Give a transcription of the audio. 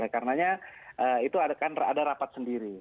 karena itu ada rapat sendiri